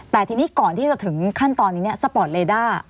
แต่ทีนี้ก่อนที่จะถึงขั้นตอนนี้สปอร์ตเลด้า